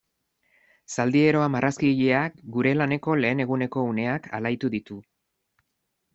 Zaldieroa marrazkigileak gure laneko lehen eguneko uneak alaitu ditu.